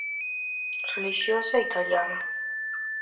Relixiosa italiana.